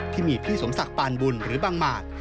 ที่มีพี่สมศักดิ์ปานบุญหรือบางหมาก